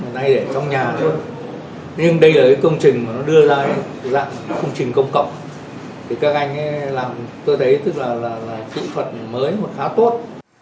nhưng đây là cái công trình mà nó đưa ra cái dạng công trình công cộng thì các anh ấy làm tôi thấy tức là là thủ thuật mới một khá tốt